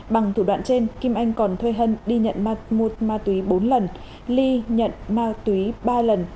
bằng thủ đoạn trên kim anh còn thuê hân đi nhận một ma túy bốn lần ly nhận ma túy ba lần